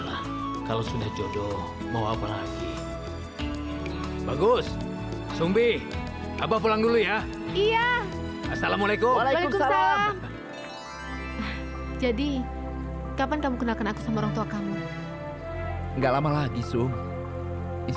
walaupun dia itu seorang perampok